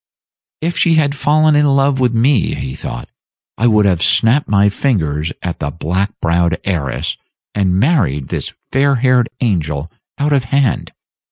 "If she had fallen in love with me," he thought, "I would have snapped my fingers at the black browed heiress, and married this fair haired angel out of hand.